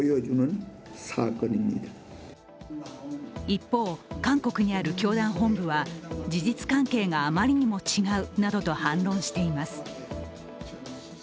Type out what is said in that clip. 一方、韓国にある教団本部は事実関係があまりにも違うなどと反論しています。